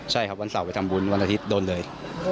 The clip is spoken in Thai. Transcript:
ใช่ครับวันเสาร์ไปทำบุญวันอาทิตย์โดนเลย